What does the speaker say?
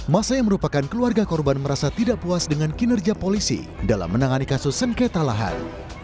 masa yang merupakan keluarga korban merasa tidak puas dengan kinerja polisi dalam menangani kasus sengketa lahan